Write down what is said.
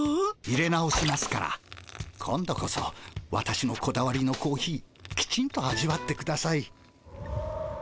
いれ直しますから今度こそ私のこだわりのコーヒーきちんと味わってください。